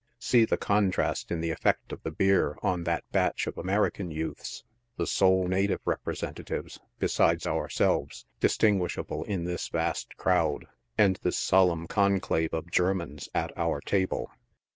See tbe contrast in tbe effect of the beer on that batch of American youths, tbe sole native representatives, besides ourselves, distinguishable in this vast crowd, and this solemn conclave of Germans, at our table.